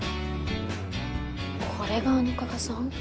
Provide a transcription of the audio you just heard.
これがあの加賀さん？